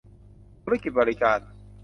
ธุรกิจบริการ